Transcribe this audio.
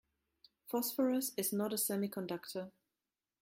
Phosphorus is not a semiconductor.